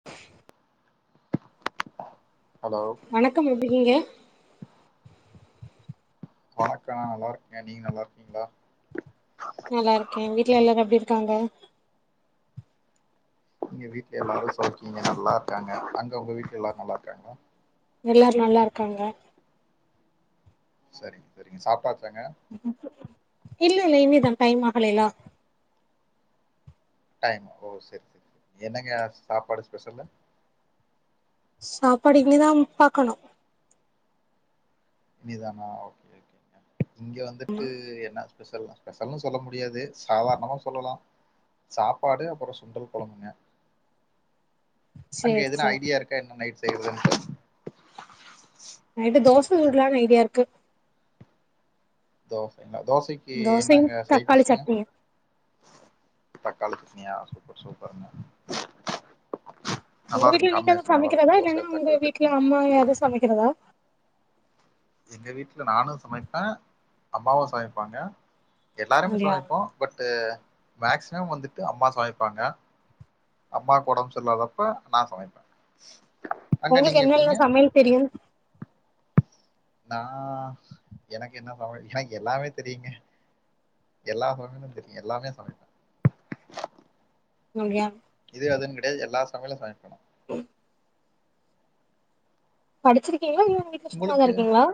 [unintelligible] Hello வணக்கம் எப்டி இருக்கீங்க வணக்கொ நல்லா இருக்கே நீங்க நல்லா இருக்கீங்களா நல்லா இருக்கே வீட்ல எல்லாரு எப்டி இருக்காங்க இங்க வீட்ல எல்லாரு சவுக்கியங்க நல்லா இருக்காங்க அங்கவுங்க வீட்ல எல்லாரு நல்லா இருக்காங்களா எல்லாரு நல்லா இருக்காங்க சரிங்க சரிங்க சாப்டாச்சாங்க இல்ல இல்ல இன்னிதா டைம் ஆகலல்ல டைம் ஓ சரி சரி சரி என்னங்க சாப்பாடு ஸ்பெஷல சாப்பாடு இனிதா பாக்கணு இனிதானா ஓகே ஓகேங்க இங்கே வந்துட்டு என்ன ஸ்பெ ஸ்பெஷல்ன்னு சொல்ல முடியாது சாதாரணமா சொல்லலா சாப்பாடு அப்பறொ சுண்டல் கொழம்புங்க அங்க சேரி எதுனா சேரி ஐடியா இருக்கா என்ன நைட் செய்யறதுன்னு நைட்டு தோச சுட்லான்னு ஐடியா இருக்கு தோசைங்ளா தோசைக்கி தோசையு தக்காளி சட்னியு தக்காளி சட்னியா ஆ சூப்பர் சூப்பர்ங்க உங்க நல்லாருக்கூ வீட்ல காம்மினேஷன் சமைக்கிறதா நல்லாருக்கும் இல்லன்னா தோச உங்க தக்காளி வீட்ல சட்னி மா எது சமைக்கிறதா எங்க வீட்ல நானு சமைப்பே அம்மாவு சமைப்பாங்க எல்லாருமே அப்டியா சமைப்போ பட்டு மேக்சிமம் வந்துட்டு அம்மா சமைப்பாங்க அம்மாக்கு ஒடம்பு சரி இல்லாதப்ப நா சமைப்ப உங்களுக்கு என்னெல்லா சமையல் தெரியு நா எனக்கு என்ன [unintelligible] எனக்கு எல்லாமே தெரியுங்க எல்லா [unintelligible] தெரியு எல்லாமே சமைப் ங்கயா இது அதுனு கடையாது எல்லா சமயலு சமைப்பேனா ம் படிச்சிருக்கீங்களா இல்ல வீட்டுல சும்மாதா உங்களுக்கு இருக்கீங்களா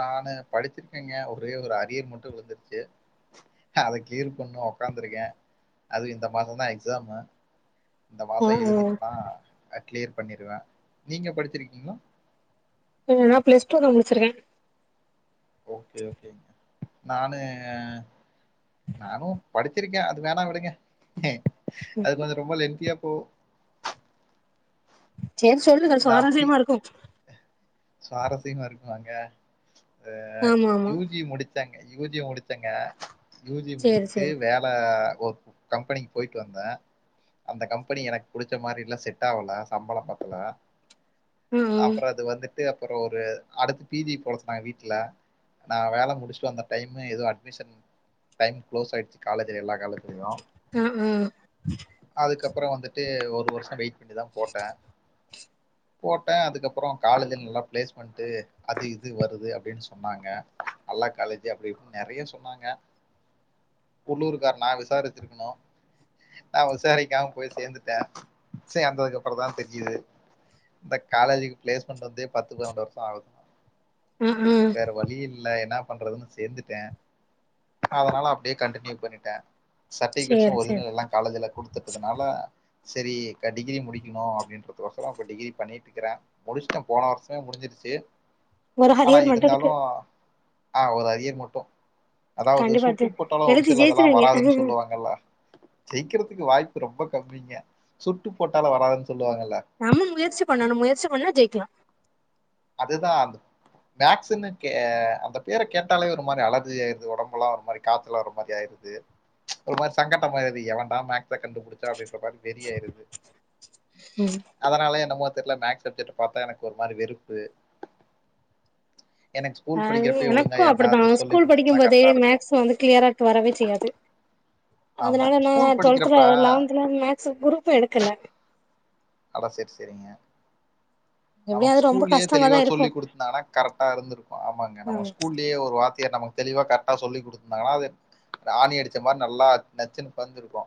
நானு படிச்சிருக்கேங்க ஒரே ஒரு அரியர் மட்டு விழுந்துருச்சு அத கிளியர் பண்ணு உக்காந்துருக்கே அதுவு இந்த மாசந்தா எக்ஸாமு இந்த ஆ மாசோ ஆ எழுதிட்டுதா கிளியர் பண்ணிருவே நீங்க படிச்சிருக்கீங்களா இல்ல நா பிளஸ்டூ தா முடிச்சிருக்கே ஓகே ஓகேங்க நானு நானு படிச் த்திருக்கே அது வேணா விடுங்க அது கொஞ்ச ரொம்ப லென்த்தியா போவு சரி சொல்லுங்க நான் அப்பி சுவாரச்யமா இருக்கு சுவாரஸ்யமா இருக்குவாங்க ஆ ஆமா ஆமா யூ ஜி முடிச் ச்சங்க யூ ஜி முடிச்சங்க யூக்ஷஜி சேரி முடிச்சுட்டு சேரி வே அ ஒரு கம்பெனிக்கு போயிட்டு வந்தே அந்த கம்பெனி எனக்கு புடிச்ச மாரி இல்ல செட்ட ஆவல சம்பளோ பத்துல ஆ அப்புறோ இது வந்துட்டு அப்புற ஒரு அடுத்து பீ ஜி போ [unintelligible] வீட்ல நா வேல முடிச்சுட்டு அந்த டைமு ஏதோ அட்மிஷன் டைம் க்ளோஸ் ஆயிடுச்சு காலேஜ்ல எல்லா காலேஜ் டியோ ஆ ஆ அதுக்கப்புறோ வந்துட்டு ஒரு வருஷோ வெயிட் பண்ணிதா போட்டே போட்டே அதுக்கப்புறோ காலேஜ் நல்லா பிளேஸ்மெண்ட் அது அது இது வருது அப்படின்னு சொன்னாங்க நல்லா காலேஜ் அப்டினு நெறையா சொன்னாங்க உள்ளூர் கார நா விசாரிச்சுருக்கணு நா விசாரக்காம போய் சேந்துட்டே சே அந்ததுக்கப்புறந்தா தெரி்ஞ்சுது இந்த காலேஜுக்கு பிளேஸ்மெண்ட் வந்து பத்து பன்னெண்டு வருஷோ ஆகுது உ உ வேற வழி இல்ல என்ன பண்றதுன்னு சேந்துட்டே அதனால அப்படியே கண்டியூ பண்ணிட்டே சட்டிகேட்ஸு சேரி சேரி ஒரிஜினல் எல்லா காலேஜ்ல குடுத் த்துட்டதுனால சரி டிகிரி முடிக்கணு அப்டிங்கரதுக்கொசரோ இப்ப டிகிரி பண்ணிட்ருக்குறே முடிச்டே போன வருஷோ ஆ முடிஞ்சிருச்சு ஒரு ஆனால் ஹரியர் மட்டு இருக்கு இருந்தாலும் ஆ ஒரு அரியர் மட்டு அதாவது கண்டிப்பா ஜெ சுட்டு போட்டாலு ஒரு எழுதி சிலதலா ஜெயிச்சிருவீங்க வராதுன்னு சொல்லுவாங்கல்ல ஜெயிக்கிறதுக்கு வாய்ப்பு ரொம்ப கம்மிங்க சுட்டு போட்டால வராதுன்னு சொல்லுவாங்கல்ல நம்ம முயற்சி பண்ணணு முயற்சி பண்ணா ஜெயிக்கலா அதுதா அது மேக்ஸ்ன்னு கே அந்த பேர கேட்டாலே ஒரு மாரி அலர்ஜி ஆயிருது ஒடம்புலா ஒரு மாரி காத்துலா ஒரு மாரி ஆய்ருது து ஒரு மாரி சங்கட்டமா ஆய்ருது எவன்டா மேக்ஸ கண்டுபிடிச்சா அப்டின்ற மாரி வெரியா ஆய்ருது உ அதனாலே என்னமோ தெர்ல மேக்ஸ் சப்ஜெக்ட்ட பாத்தா எனக்கு ஒரு மாரி வெறுப்பு எனக்கு அ ஸ்கூல் படிக்கிறப்பயே ஒழுங்கா எனக்கு அப்டித்தா யாருனாவது சொல்லி ஸ்கூல் படிக்கும் கொடுத்துருந்தா போதே கரெக்டா இருக்கும் மேக்ஸ் வந்து கிளியராட்டு வரவே செய்யாது ஆமா அதனால நா ஸ்கூல் டுவெல்துல படிக்கிறப்ப லெவன்துல மேக்ஸ் குரூப்பு எடுக்கல அதா சேரி சேரிங்க எப்டியு நமக்கு அது ரொம்ப ஸ்கூல்லயே கஷ்டமாதா தெளிவா இருக்கு சொல்லி குடுத்தர்தாங்கனா கரெக்டா இருத்துர்க்கு ஆமாங்க நம்ம ம் ஸ்கூலயே ஒரு வார் ய நமக்கு தெளிவா கரெக்ட்டா சொல்லி குடுத்ருந்தாங்கன்னா அது அ ஆணி அடிச்ச மாரி நல்லா நச்சுனு பதிஞ்சிருக்கு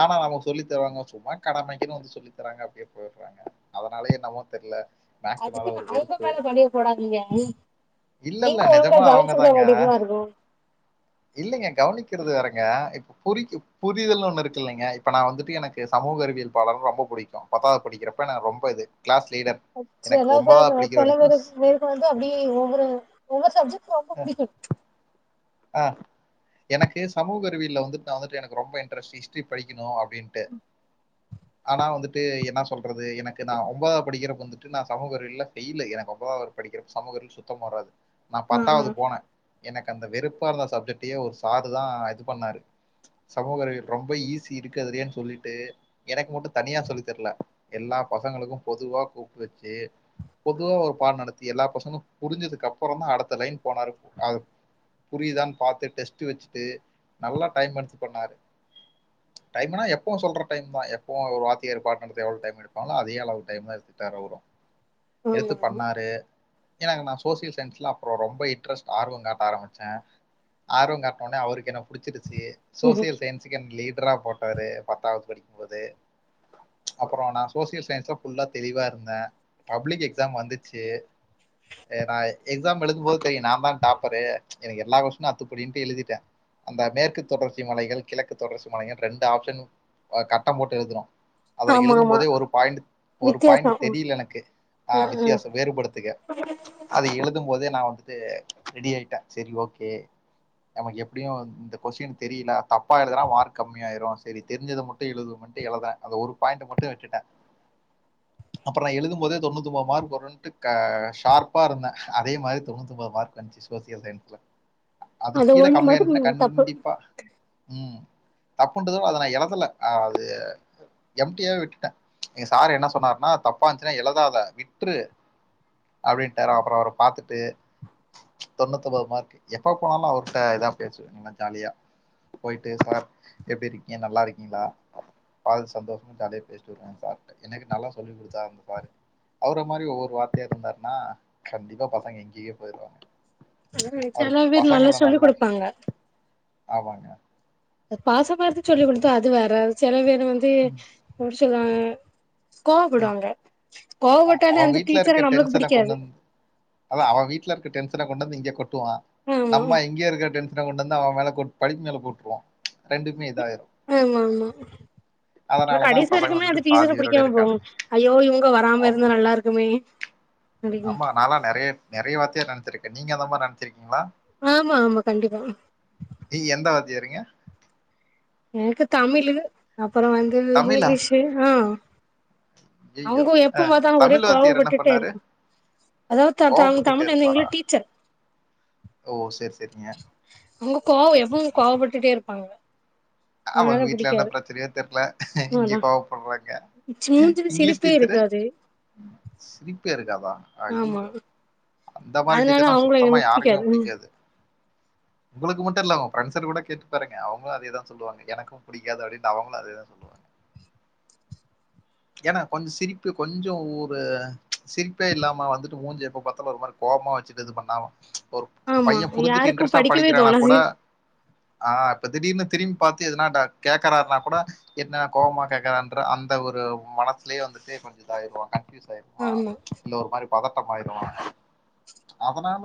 ஆனா நமக்கு சொல்லி தருவாங்க சும்மா கடமைக்கின்னு வந்து சொல்லி தராங்க அப்டியே போ றாங்க அதனாலே என்னமோ தெர்ல மேக்ஸ் மேல அதுக்குனு ஒரு அவுங்க வெறுப்பு. மேல பழிய போடாதீங்க இல்ல, இல்ல நீங்க ஒழுங்கா நெஜமா அவங்க கவனிச்சிருக்க மாட்டிங்களா இருக்கு இல்லிங்க கவனிக்கிறது வேறங்க புரிக்கு புரிதல்னு ஒண்ணு இருக்குல்லைங்க இப்ப நா வந்துட்டு எனக்கு சமூக அறிவியல் பாடோனா ரொம்ப புடிக்கு பத்தாவ்து படிக்கிறப்ப நா ரொம்ப இது க்ளாஸ் லீடர் அ எனக்கு செல பேர் படிக்கிற செல வரைக்கும் ஸ் பேருக்கு வந்து அப்டியே ஒவ்வொரு ஒவ்வொரு சப்ஜெக்ட் ரொம்ப புடிக்கு ஆ எனக்கு சமூக அறிவியல்ல வந்துட்டு நா வந்துட்டு எனக்கு ரொம்ப இன்ட்ரெஸ்ட் இஸ்டரி படிக்கணு அப் டின்ட்டு ஆனா வந்துட்டு என்னா சொல்றது எனக்கு நா ஒம்பதாவ் படிக்கிறப்ப வந்து ட்டு நா சமூக அறிவியல்ல ஃபெய்லு எனக்கு ஒம்பதாவ்து படிக்கிற சமூக அறிவியல் சுத்தமா வராது நா ஆ பத்தாவ்து போன எனக்கு அந்த வெறுப்பா இருந்த சப்ஜெக்டயே ஒரு சாரு தா இது பண்ணாரு சமூக அறிவியல் ரொம்ப ஈஸி இருக்குறதுலயேன் சொல்லிட்டு எனக்கு மட்டு தனியா சொல்லித்தர்ல எல்லா பசங்களுக்கு பொதுவா கூப்ட்டு வச்சு பொதுவா ஒரு பாடொ நடத்தி எல்லா பசங்களு புரிஞ்சதுக்கப்பறொந்தா அடுத்த லைன் போனாரு ஆ புரியிதான் பாத்து டெஸ்ட்டு வெச்சுட்டு நல்லா டைம் எடுத்து பண்ணாரு டைமுனா எப்பவு சொல்ற டைம் தா எப்பவு ஒரு வாத்தியார் பாட் நடத்த எவ்ளோ டைம் எடுப்பாங்ளோ அதே அளவு டைம்தா எடுத்துக்கிட்டார் அவரு எடுத்து ஆ பண்ணாரு எனக்கு நா சோசியல் சயின்ஸ்ல அப்பறொ ரொம்ப இன்ட்ரெஸ்ட் ஆர்வொங் காட்ட ஆரம்பி ச்ச ஆர்வங் காட்ன ஒன்னே அவருக்கு என்ன புடிச்சிருச்சு ஆமா சோசியல் சைன்ஸுக்கு என்ன லீட்ரா போட்டாரு பத்தாவ்து படிக்கம்போது அப்பறொ நா சோசியல் சயின்ஸ்ல ஃபுல்லா தெளிவா இருந்த பப்ளிக் எக்ஸாம் வந்துச்சு ஏ நா எக்ஸாம் எழுதும் போது தெரியு நாந்தா டாப்பரு எனக்கு எல்லா கொஷ்ஷினு அத்துப்படின்ட்டு எழுதிட்ட அந்த மேற்கு தொடர்ச்சி மலைகள் கிழக்கு தொடர்ச்சி மலைகள்னு ரெண்டு ஆப்ஷனு அ கட்டம் போட்டு எழுதுறோ அத ஆமா ஆமா எழுதம் ஆமா போதே ஒரு பாயிண்ட் ஒரு வித்தியாசோ பாயிண்ட் தெரில எனக்கு அ வித்தியாசொ வேறுப்படுத்துக அத எழுதம் போதே நா வந்துட்டு ரெடி ஆயிட்ட சேரி ஓகே நமக்கு எப்டியு இந்த கொஷின் தெரிய்ல தப்பா எழுதுனா மார்க் கம்மியாய்ரு சரி தெரிஞ்சத மட்டு எழுதுவ்மேன்ட்டு எழுதறே அத ஒரு பாயிண்ட்ட மட்டு விட்டுட்ட அப்பறொ நா எழுதும் போதே தொண்ணுத்தொம்போது மார்க் வருன்ட்டு க ஷார்ப்பா இருந்த அதே மாரி தொண்ணுத்தொம்போது மார்க் வந்ச்சு சோசியல் சைன்ஸ்ல அ அதுக் அது கீழ ஒண்ணு கம்மியா மட்டு இருந்தனா தப்பு கண்டிப்பா ம் தப்புன்றத அத நா எழுதல அ அது எம்டியாவே விட்டுட்ட எங் சாரு என்ன சொன்னார்ன்னா தப்பா இருந்துச்னா எழுதாத விட்று அப்டின்ட்டாரு அப்பறொ அவர பாத்துட்டு தொண்ணுத்தொம்போது மார் எப்ப போனாலு அவர்ட்ட எதா பேசுவ நல்லா ஜாலியா போயிட்டு சார் எப்டி இருக்கீங்க நல்லா இருக்கீங்ளா பாத்து சந்தோஷமு ஜாலியா பேசிட்டு வ த்ருவ சார்ட்ட எனக்கு நல்லா சொல்லி குடுத்தார் அந்த சாரு அவர மாரி ஒவ்வொரு வாத்யாரெ இருந்தார்னா கண்டிப்பா பசங்க எங்கயோ போய்ருவாங்க [unintelligible] பேர் நல்லா சொல்லி குடுப்பாங்க ஆமாங்க அ பாசமா இருந்து சொல்லிக் குடுத்தா அது வேற செல வேறு வந்து எப்டி சொல்ல கோவப்படுவாங்க கோவப்பட்டாலே அவன் அந்த டீச்சர நம்மளுக்கு புடிக்காது அதா அவ வீட்ல இருக்க டென்ஷன கொண்ட வந்து இங்க கொட்டுவா ஆமா நம்ம இங்க இருக்க டென் ஷன கொண்டு வந்து அவ மேலே கொட் படிப்பு மேலே போட்டுருவா ரெண்டுக்மே இதாயிரு ஆமா ஆமா அப்றோ தான் கடைசி பசங்க வரிக்குமே வந்துட்டு அது டீசர பாதி பேரோட பிடிக்காம போகு இருக்கானுங்க ஐயோ இவங்க வராம ஆமாம் இருந்தா நல்லா இருக்குமே அடிக்கூ நாலா நறைய நறைய வாத்திய நனத்துருக்க நீங்க அந்த மா நனைச்சிருக்கீங்களா ஆமா ஆமா கண்டிப்பா நீ எந்த வாத்தியாருங்க எனக்கு தமிழு அப்பறோ வந்து தமிழா? இங்கிலீஷு ஆ ஐயய்யோ! அவங்க அ எப்ப பாத்தாலு ஒரே தமிழ் வாத்தியார் என்ன கோவப்பட்டுட்டே பண்ணாரு? இருக்கூ அதாவ் த த கோவப்பட்டுட்டே தமிழ் அன்னை இருப்பாரா? வந்து டீச்சர் ஓ செரி செரிங்க அவங்க கோவொ எப்போதூ கோவப்பட்டுட்டே இருப்பாங்க அவங்க அதனால வீட்ல என்ன புடிக்காது பிரச்சனையோ தெர்ல இங்க கோவப்படுறாங்க இச்சூக்கூட இங்கிலீஷ் சிரிப்பே டீச்சரு? இருக்காது சிரிப்பே இருக்காதா ஆமா அய்யயோ அந்த மாரி அதனால டீச்சர்னா அவங்கள சுத்தமா எனக்கு யாருக்குமே பிடிக்காது புடிக்காது உங்களுக்கு மட்டு இல்ல உங்க ஃப்ரண்டஸடு கூட கேட்டு பாருங்க அவங்களு அதேதா சொல்லுங்க எனக்கூ படிக்காது அப்படனு அவங்களும் அதோன் சொங்க ஏனா கொஞ்ச சிரிப்பு கொஞ்சோ ஒரு சிரிப்பே இல்லாம வந்துட்டு மூஞ்ச எப்ப பாத்தலு ஒருமாரி கோவமா வச்சுட்டு இது பண்ணாம ஒரு ஆமா பைய புரிஞ்சுட்டு யாருக்கு இன்ட்ரெஸ்ட்டா படிக்கவே படிக்கிறானா கூட தோணாது ஆ இப்ப திடீர்னு திரும்பி பாத்து எதுனாட கேக்கறாருனா கூட என்ன கோவமா கேக்கறான் று அந்த ஒரு மனசுலே வந்துட்டே கொஞ்ச இதாயிருவா கன்ஃப்யூஸ் ஆயிருவா ஆமா இல்ல ஒரு மாரி பதட்டமாயிருவாங்க அதனால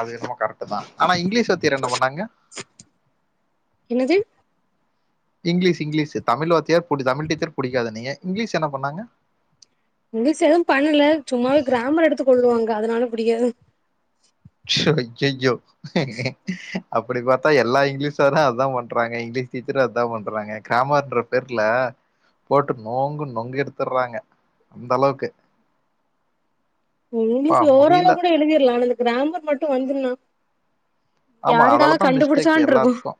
அது ரொம்ப கரெட்டு தா ஆனா இங்கிலீஷ் வாத்தியர் என்ன பண்ணாங்க என்னது இங்கிலீஷ் இங்கிலீஷு தமிழ வாத்தியார் புடி தமிழ் டீச்சர் புடிக்காதுன்னீங்க இங்கிலீஷ் என்ன பண்ணாங்க இங்கிலீஷ் எதுவு பண்ல சும்மாவே கிராமர் எடுத்து கொல்லுவாங்க அதுனால புடிக்காது ஷெடி யையோ அப்டி பாத்தா எல்லா இங்கிலீஷ் சாரு அதா பண்றாங்க இங்கிலீஷ் டீச்சரூ அதா பண்றாங்க காமன்ற பேர்ல போட்டு நோங்கு நொங்கு எடுத்துர்றாங்க அந்த அளவுக்கு அப்பா இங்கிலீஷ்ல ஓரளவு முடியல. கூட எழுதிர்லா ஆனா இந்த க்ராமர் மட்டு வந்துருன்னா ஆமா, யாரடா அதால தான் மிஸ்டேக் கண்டுபுடிச்சான்ருக்கூ எல்லாத்துக்கும்.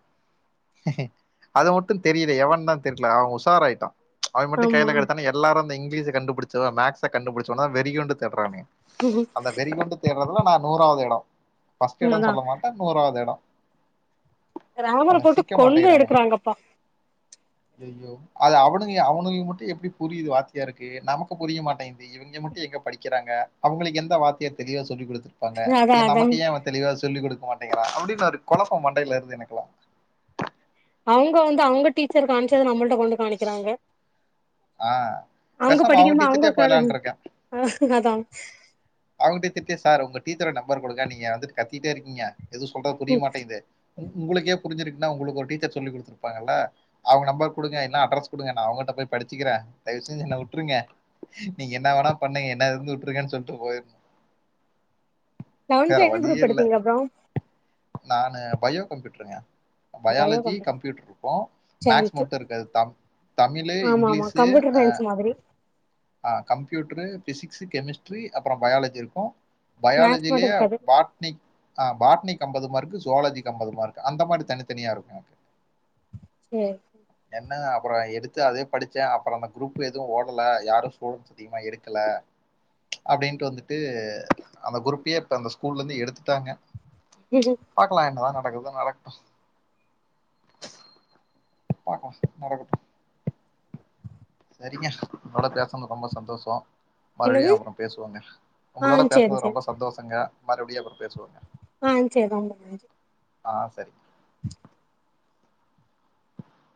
அது மட்டு தெரியல எவன் தா தெர்ல அவ உஷாராயிட்டா அவ மட்டு ஆமா கைல கெடச்சானா எ ல்லாரு இங்கிலீஷ கண்டுபிடிச்ச மேக்ஸ் கண்டுபிடிச்சவன வெறி கெண்டு தேடுறானே அந்தவெறி கொண்டு தேட்றதுல நா நூறாவது எடோ ஃபஸ்ட் எடோ அதா சொல்ல மாட்டே நூறாவது எடோ க்ராமர போட்டு கொன்னு எடுக்குறாங்கப்பா ய்யோ அது அவனுங்க அவனுங்கெ மட்டு எப்டி புரியிது வாத்தியாருக்கு நமக்கு புரிய மாட்டேன்து இவங்க மட்டு எங்க படிக்கிறாங்க அவுங்களுக்கு எந்த வாத்தியார் தெளிவா சொல்லி குடுத்துரு ப்பாங்க அதா ஏ அதா நமக்கு ஏ அவ தெளிவா சொல்லிக குடுக்க மாட்டேங்குறா அப்டின்னு ஒரு கொழப்பம் மண்டையில வருது எனக்குலா அவங்க வந்து அவங்க டீச்சர் காணிச்சதை நம்மள்ட கொண்டு காணிக்கிறாங்க ஆ பெசாம அவங்க டீச்சட்டே உக்காந்து போயலான்ருக்கே அதா அவங்க டித்திக்கே சார் உங்க டீத்தர் நம்பரு குடுங்க நீங்க வந்துட்டு கத்திட்டே இருக்கீங்க எதும் சொல்றது புரிய மாட்டேங்குது அது உங்களுக்கே புரிஞ்சிருக்குன்னா உங்களுக்கு ஒரு டீச்சர் சொல்லி குடுத்துருப்பாங்கல்ல அவுங்க நம்பர் குடுங்க இன்னா அட்ரஸ் குடுங்க நா அவுங்கள்ட்ட போய் படிச்சுக்கிறே தயவுசெஞ்சு என்ன விட்றுங்க நீங்க என்ன வேணா பண்ணுங்க என்ன இருந்து வுட்ருங்க சொல்ட்டு போயிருனு வேற லெவன்த்ல என்ன வழியே குரூப் இல்ல எடுத்தீங்க அப்றோ நானு பயோ கம்ப்யூட்டருங்க பயாலஜி கம்ப்யூட்டர் இருக்கு மேக்ஸ் சயின்ஸ் மட்டு இருக்காது த தமிழு ஆமா ஆமா இங்கிலீஷு கம்ப்யூட்டர் அ சயின்ஸ் மாதிரி ஆ கம்ப்யூடரு பிசிக்ஸ் கெமிஸ்ட்ரி அப்றோ பயாலஜி இருக்கு மேக்ஸ் மட்டு பயாலஜிலயே இருக்காது பாட் னி ஆ பாட்னி்க்கி அம்பதுமார்கு சுவாலஜிக்கி அம்பதுமார்க்கு அந்த மாரி தனித்தனியா இருக்கு சேர் என்னங்க அப்றோ எடுத்து அதே படிச்சே அப்றோ அந்த குரூப் எதுவு ஓடல யாரு சொ அதிகமா எடுக்கல அப்டின்ட்டு வந்துட்டு அந்த குரூப்பையே இப்ப அந்த ஸ்கூல்ல இருந்து எடுத்துட்டாங்க [unintelligible] பாக்கலா என்னதா நடக்குதுனு நடக்கட்டு பாக்கலா நடக்கட்டு சரிங்க ஒன்னோட பேசுனது ரொம்ப சந்தோஷோ மறுபடியு என்னது அப்றோ பேசுவோங்க ஆ உங்களோட சேரி பேசுனது சேரி ரொம்ப சந்தோஷங்க மறுபடியு அப்றோ பேசுவோங்க ஆ சேரி ரொம்ப நன்றி ஆ சரி [unintelligible]